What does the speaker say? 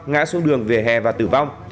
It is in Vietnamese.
ngã xuống đường về hè và tử vong